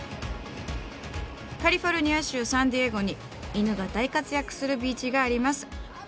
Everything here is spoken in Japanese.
カリフォルニア州サンディエゴに犬が大活躍するビーチがあります。